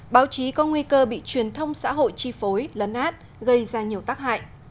báo chí có nguy cơ bị truyền thông xã hội chi phối lấn át gây ra nhiều tác hại